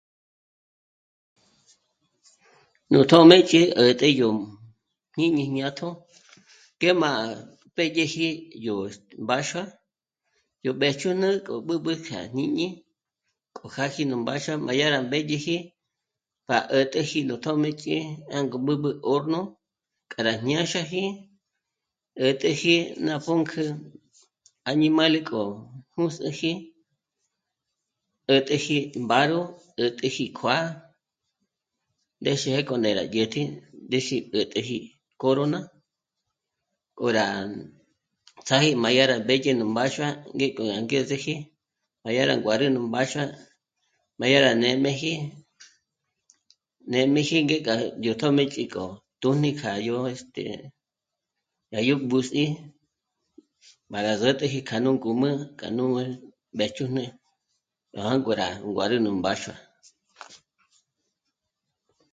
Nú tjö́mëch'i 'ä̀t'ä yó jñíñi jñátjo ngé má pédyeji yó... mbáxua, yó mbéjchün'e k'o b'ǚb'ü kja jñíñi k'ojáji nú mbáxua dyà rá mbédyeji pa 'ä̀t'äji nú tjömëch'i jângo b'ǚb'ü horno k'a rá ñânxaji, 'ä̀t'äji ná pǔnk'ü añimále k'o jûns'iji 'ä̀t'äji mbáro, 'ä̀t'äji kjuá'a ndéxe ngé k'o ndé rá dyä̀tji, ndéxi 'ä̀t'äji corona k'o rá ts'aja rí má yá mbédye nú mbáxua ngéko angezeji má ya nú nguárü nú mbáxua, má yá rá nê'meji, nê'meji ngéka yó tjö́mëch'i k'o tùjni kja yó este... gá yó mbùs'i má rá s'ä̀t'äji kja nú ngǔm'ü kja nú mbéjchün'e rá jângo rá nguárü nú mbáxua